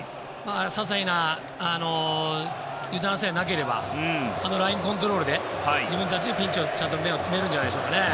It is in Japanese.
些細な油断さえなければあのラインコントロールで自分たちでピンチちゃんと芽を摘めるんじゃないでしょうか。